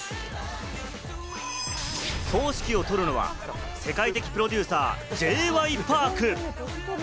総指揮を執るのは世界的プロデューサー・Ｊ．Ｙ．Ｐａｒｋ。